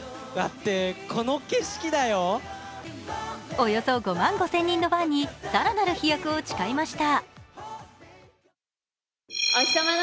およそ５万５０００人のファンに更なる飛躍を誓いました。